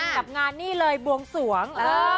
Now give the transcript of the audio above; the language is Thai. กับงานนี่เลยบวงสวง